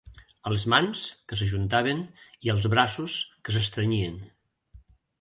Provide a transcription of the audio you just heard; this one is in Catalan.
A les mans, que s'ajuntaven, i als braços, que s'estrenyien